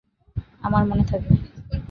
আমার মনে থাকবে।